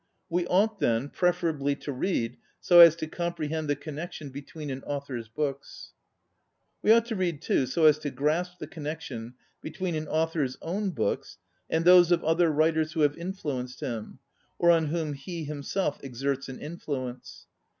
We ought, then, preferably to read so as to com prehend the connection between an author's books. We ought to read, too, so as to grasp the connection between an author's own books and those of other writers who have influenced him, or on whom he himself exerts an influence.